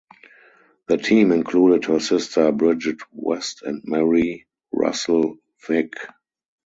The team included her sister Bridget West and Mary Russell Vick.